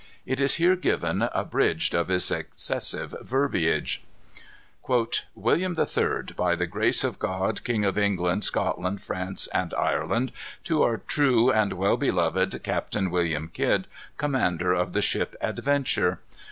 It is here given abridged of its excessive verbiage: "William the Third, by the grace of God, King of England, Scotland, France, and Ireland, to our true and well beloved Captain William Kidd, commander of the ship Adventure.